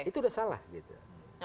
itu sudah salah gitu